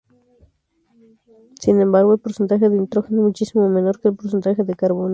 Sin embargo, el porcentaje de nitrógeno es muchísimo menor que el porcentaje de carbono.